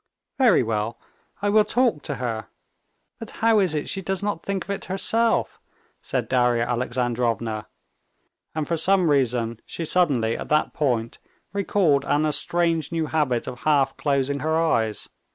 "Very well, I will talk to her. But how is it she does not think of it herself?" said Darya Alexandrovna, and for some reason she suddenly at that point recalled Anna's strange new habit of half closing her eyes.